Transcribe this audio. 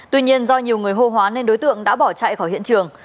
tuy nhiên do nhiều người hô hoá nên đối tượng đã bỏ chạy khỏi hiện trường